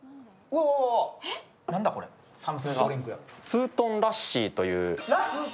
ツートンラッシーという。